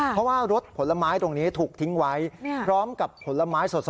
เพราะว่ารถผลไม้ตรงนี้ถูกทิ้งไว้พร้อมกับผลไม้สด